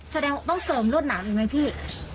แสดงว่าต้องเสริมรวดหนามอีกไหมพี่